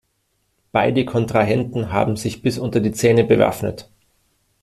Beide Kontrahenten haben sich bis unter die Zähne bewaffnet.